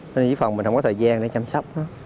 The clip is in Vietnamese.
nên dân phòng mình không có thời gian để chăm sóc